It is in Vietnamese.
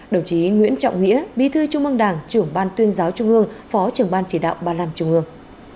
đồng chí nguyễn trọng nghĩa bí thư trung mong đảng trưởng ban tuyên giáo trung ương phó trưởng ban chỉ đạo ba năm trung ương